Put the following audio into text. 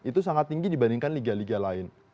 itu sangat tinggi dibandingkan liga liga lain